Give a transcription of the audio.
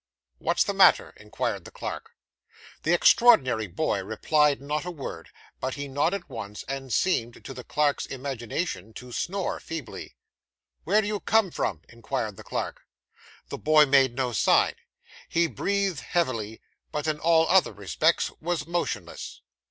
'What's the matter?' inquired the clerk. The extraordinary boy replied not a word; but he nodded once, and seemed, to the clerk's imagination, to snore feebly. 'Where do you come from?' inquired the clerk. The boy made no sign. He breathed heavily, but in all other respects was motionless.